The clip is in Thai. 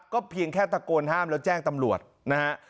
เพียงแค่ตะโกนห้ามแล้วแจ้งตำรวจนะฮะ